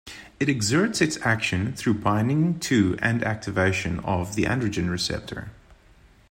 It exerts its action through binding to and activation of the androgen receptor.